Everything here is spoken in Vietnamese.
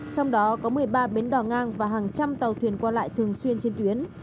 trong đó có một mươi ba bến đỏ ngang và hàng trăm tàu thuyền qua lại thường xuyên trên tuyến